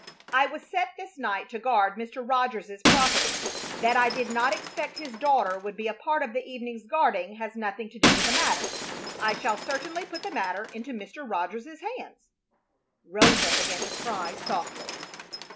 "I was set this night to guard Mr. Rogers's property. That I did not expect his daughter would be a part of the evening's guarding has nothing to do with the matter. I shall certainly put the matter into Mr. Rogers's hands." Rosa began to cry softly.